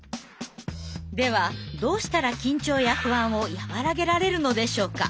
ではどうしたら緊張や不安を和らげられるのでしょうか。